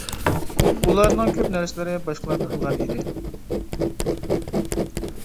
ئۇلارنىڭ كۆپ نەرسىلىرى باشقىلاردىن ئىلغار ئىدى.